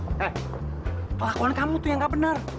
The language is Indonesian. eh pelakuan kamu tuh yang gak benar